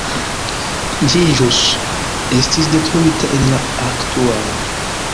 Ĝi ĵus esti detruita en la aktualo.